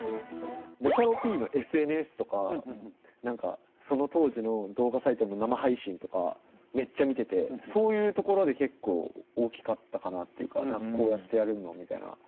ボカロＰのＳＮＳとか何かその当時の動画サイトの生配信とかめっちゃ見ててそういうところで結構大きかったかなっていうかこうやってやるのみたいな。